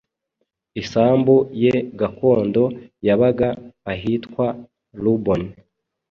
Isambu ye gakondo yabaga ahitwa Rubon